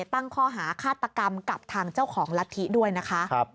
ตั้งข้อหาฆาตกรรมกับทางเจ้าของลัทธิด้วยนะคะ